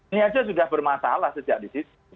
ini aja sudah bermasalah sejak disitu